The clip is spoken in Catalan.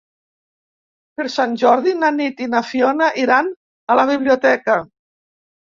Per Sant Jordi na Nit i na Fiona iran a la biblioteca.